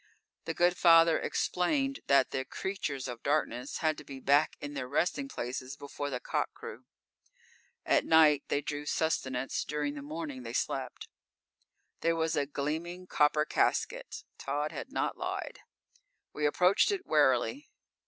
The Good Father explained that the "creatures of darkness" had to be back in their resting places before the cock crew. At night they drew sustenance; during the morning they slept. There was a gleaming copper casket. Tod had not lied. We approached it warily.